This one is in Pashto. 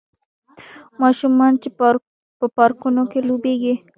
ماشومان چې په پارکونو کې لوبیږي